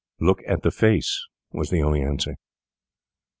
'Look at the face,' was the only answer.